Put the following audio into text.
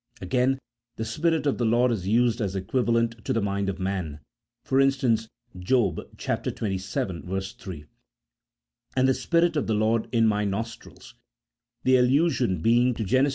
Again, the " Spirit of the Lord " is used as equivalent to the mind of man, for instance, Job xxvii. 3 :" And the Spirit of the Lord in my nostrils," the allusion being to Gen. ii.